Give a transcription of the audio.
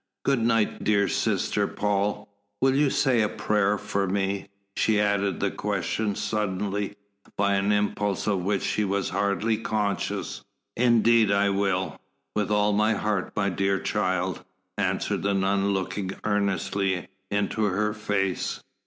"Good night, dear Sister Paul. Will you say a prayer for me?" She added the question suddenly, by an impulse of which she was hardly conscious. "Indeed I will with all my heart, my dear child," answered the nun looking earnestly into her face.